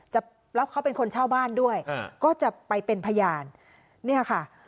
แล้วเขาเป็นคนเช่าบ้านด้วยอ่าก็จะไปเป็นพยานเนี่ยค่ะ